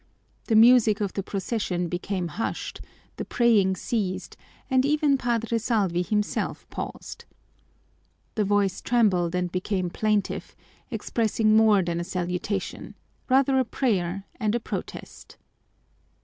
The music of the procession became hushed, the praying ceased, and even Padre Salvi himself paused. The voice trembled and became plaintive, expressing more than a salutation rather a prayer and a protest.